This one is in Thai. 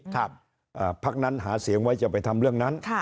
พักนั้นหาเสียงไว้จะไปทำเรื่องนั้น